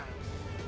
yang penting tur nih